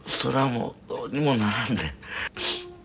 もうどうにもならんで。